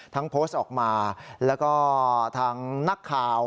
โพสต์ออกมาแล้วก็ทางนักข่าว